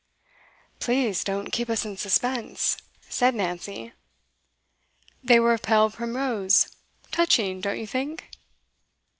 'Please don't keep us in suspense,' said Nancy. 'They were of pale primrose. Touching, don't you think?